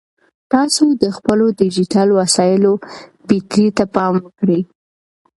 تاسو د خپلو ډیجیټل وسایلو بیټرۍ ته پام وکړئ.